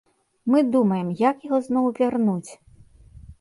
Мы думаем, як яго зноў вярнуць?